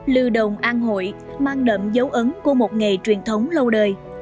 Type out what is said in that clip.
lưu đồng an hội mang đậm dấu ấn của một nghề truyền thống lâu đời